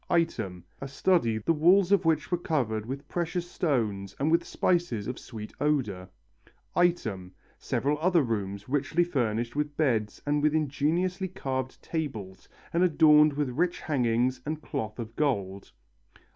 Item, a study the walls of which were covered with precious stones and with spices of sweet odour. Item, several other rooms richly furnished with beds and with ingeniously carved tables and adorned with rich hangings and cloth of gold.